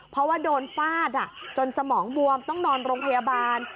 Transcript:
เพราะว่าโดนฟาดจนสมองบวมต้องนอนโรงพยาบาล